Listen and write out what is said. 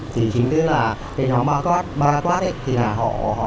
chính vì thế là cái nhóm paraquat thì họ chọn nhiều hơn